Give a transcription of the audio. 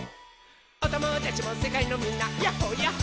「おともだちもせかいのみんなやっほやっほ」